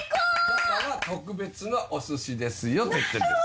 だから特別なお寿司ですよって言ってるんですよ。